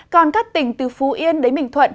còn các tỉnh từ phú yên đến bình thuận